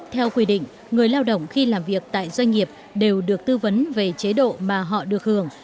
theo quy định người lao động khi làm việc tại doanh nghiệp đều được tư vấn về chế độ mà họ được hưởng